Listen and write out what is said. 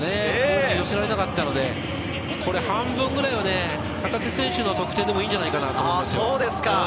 寄せられなかったので、これ半分ぐらいは旗手選手の得点でもいいんじゃないかなと。